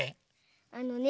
あのね